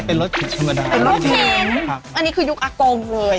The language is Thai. เป็นรถเข็มอันนี้คือยุคอากงเลย